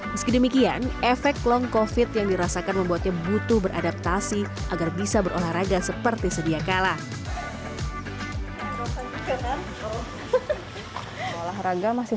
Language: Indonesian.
meski demikian efek long covid yang dirasakan membuatnya butuh beradaptasi agar bisa berolahraga seperti sedia kalah